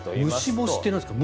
虫干しって何ですか？